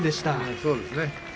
そうですね。